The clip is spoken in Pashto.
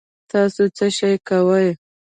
تاسو څه شئ کوی